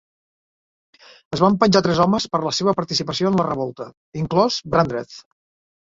Es van penjar tres homes per la seva participació en la revolta, inclòs Brandreth.